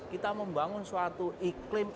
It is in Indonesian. kita membangun suatu iklim